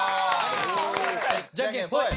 じゃんけんほい。